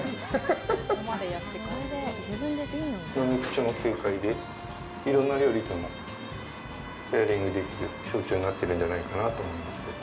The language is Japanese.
飲み口も軽快で、いろんな料理ともペアリングできる焼酎になってるんじゃないかなと思いますけど。